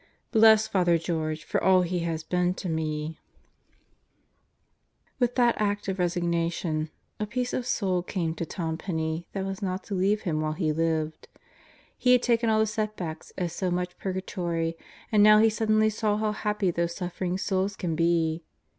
Bless Father George for all he has been to me," With that Act of Resignation a peace of soul came to Tom Penney that was not to leave him while he lived. He had taken all the setbacks as so much Purgatory, and now he suddenly saw how happy those suffering souls can be.